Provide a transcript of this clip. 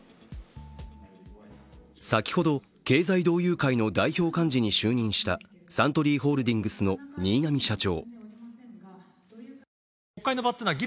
先ほど経済同友会の代表幹事に就任したサントリーホールディングスの新浪社長。